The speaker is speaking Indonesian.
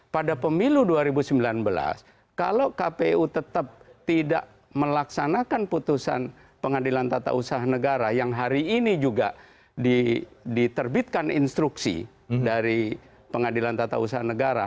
pada pemilu dua ribu sembilan belas kalau kpu tetap tidak melaksanakan putusan pengadilan tata usaha negara yang hari ini juga diterbitkan instruksi dari pengadilan tata usaha negara